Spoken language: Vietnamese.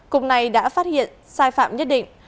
cục này đã phát hiện sai phạm nhất định